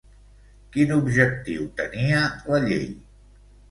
Quin objectiu tenia la llei?